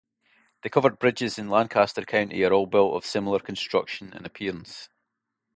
The covered bridges in Lancaster County are all built of similar construction and appearance.